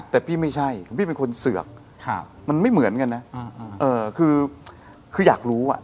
แต่พี่ไม่ใช่พี่เป็นคนเสือกมันไม่เหมือนกันนะคืออยากรู้อ่ะ